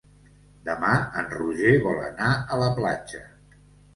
Demà en Roger vol anar a la platja.